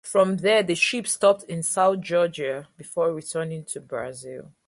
From there, the ship stopped in South Georgia before returning to Brazil.